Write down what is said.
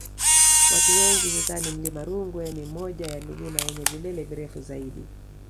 Watu wengi hudhani mlima Rungwe ni moja ya milima yenye vilele virefu zaidi